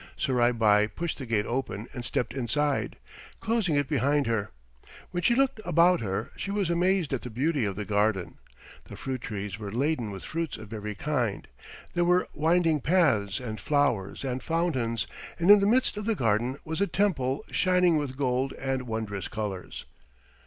Surai Bai pushed the gate open and stepped inside, closing it behind her. When she looked about her, she was amazed at the beauty of the garden. The fruit trees were laden with fruits of every kind. There were winding paths and flowers and fountains, and in the midst of the garden was a temple shining with gold and wondrous colors.